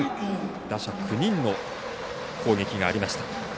打者９人の攻撃がありました。